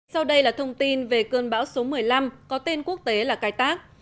sau đây là thông tin về cơn bão số một mươi năm có tên quốc tế là cái tác